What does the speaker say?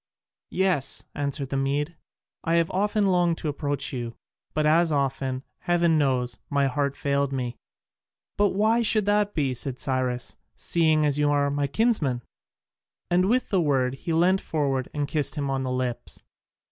"Yes," answered the Mede, "I have often longed to approach you, but as often, heaven knows, my heart failed me." "But why should that be," said Cyrus, "seeing you are my kinsman?" And with the word, he leant forward and kissed him on the lips.